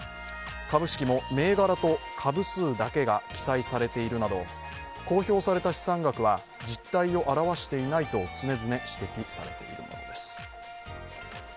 株式も銘柄と株数だけが記載されているなど公表された資産額は実態を表していないと常々指摘されているものです。